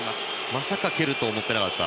まさか蹴ると思っていなかった。